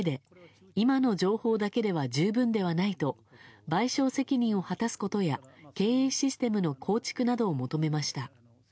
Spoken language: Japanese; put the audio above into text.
一定の評価をしたうえで今の情報だけでは十分ではないと賠償責任を果たすことや経営システムの構築などを求めました。